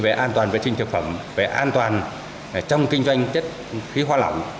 về an toàn vệ sinh thực phẩm về an toàn trong kinh doanh chất khí hoa lỏng